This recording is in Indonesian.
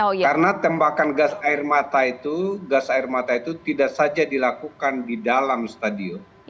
karena tembakan gas air mata itu gas air mata itu tidak saja dilakukan di dalam stadion